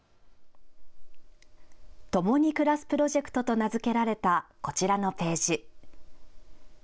共に暮らすプロジェクトと名付けられたこちらのページ。